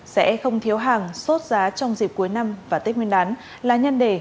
sẽ không thiếu hàng sốt giá trong dịp cuối năm và tết nguyên đán là nhân đề